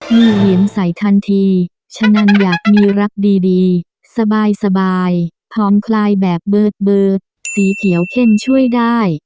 มีเหรียญใส่ทันทีฉะนั้นอยากมีรักดีสบายพร้อมคลายแบบเบิร์ดสีเขียวเข้มช่วยได้